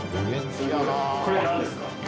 これなんですか？